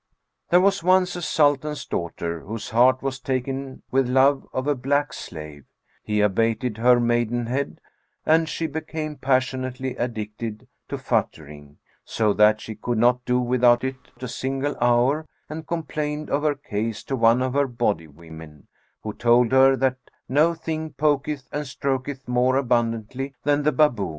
There was once a Sultan's daughter, whose heart was taken with love of a black slave: he abated her maidenhead and she became passionately addicted to futtering, so that she could not do without it a single hour and complained of her case to one of her body women, who told her that no thing poketh and stroketh more abundantly than the baboon.